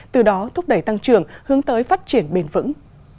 từ đó thúc đẩy tăng trưởng hướng tới phát triển bền vững